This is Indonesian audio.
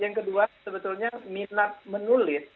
yang kedua sebetulnya minat menulis